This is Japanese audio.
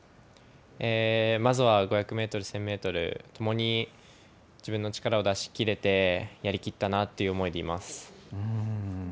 まずは５００メートル、１０００メートル、ともに自分の力を出しきれて、やりきったなという思いでいます。